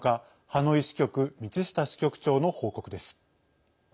ハノイ支局、道下支局長の報告です。